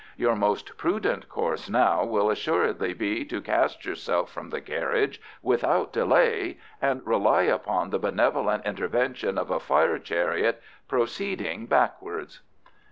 Your most prudent course now will assuredly be to cast yourself from the carriage without delay and rely upon the benevolent intervention of a fire chariot proceeding backwards."